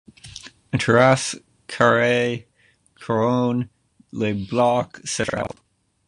Une terrasse carrée couronne le bloc central.